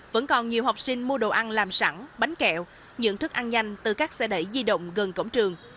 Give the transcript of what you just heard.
vẫn còn nhiều học sinh mua đồ ăn làm sẵn bánh kẹo nhận thức ăn nhanh từ các xe đẩy di động gần cổng trường